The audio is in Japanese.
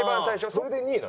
それで２位なの？